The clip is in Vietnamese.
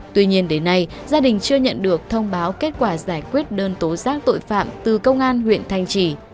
tuy nhiên đến nay gia đình chưa nhận được thông báo kết quả giải quyết đơn tố giác tội phạm từ công an huyện thanh trì